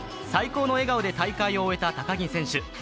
最高の笑顔で大会を終えた高木選手。